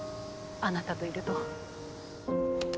あなたといると。